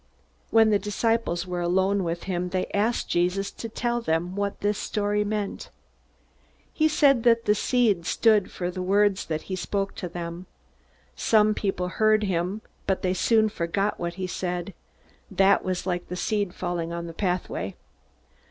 When the disciples were alone with him, they asked Jesus to tell them what this story meant. He said that the seed stood for the words that he spoke to them. Some people heard him, but they soon forgot what he said. That was like seed falling on the pathway.